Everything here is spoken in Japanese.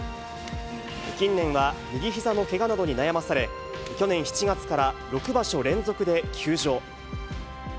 近年は、右ひざのけがなどに悩まされ、去年７月から６場所連続で休場。